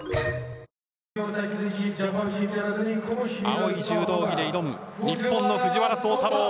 青い柔道着で挑む日本の藤原崇太郎。